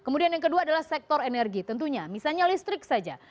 kemudian yang kedua adalah sektor energi tentunya misalnya listrik saja